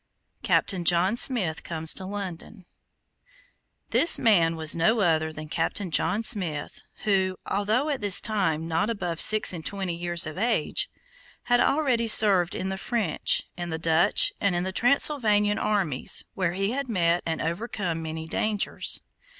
CAPTAIN JOHN SMITH COMES TO LONDON This man was no other than Captain John Smith, who, although at this time not above six and twenty years of age, had already served in the French, in the Dutch, and in the Transylvanian armies, where he had met and overcome many dangers.